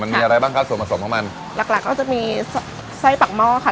มีอะไรบ้างครับส่วนผสมของมันหลักหลักก็จะมีไส้ปากหม้อค่ะ